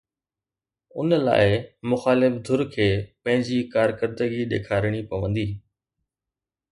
ان لاءِ مخالف ڌر کي پنهنجي ڪارڪردگي ڏيکارڻي پوندي.